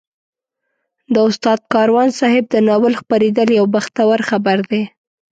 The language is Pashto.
د استاد کاروان صاحب د ناول خپرېدل یو بختور خبر دی.